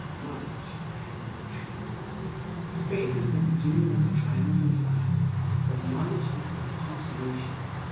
Knowledge and Victory FAITH IS THE BEGINNING of the Triumphant Life, but knowledge is its consummation.